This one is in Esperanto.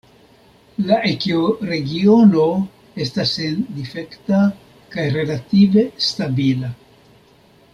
La ekoregiono estas sendifekta kaj relative stabila.